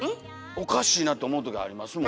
おかしいなって思う時ありますもん。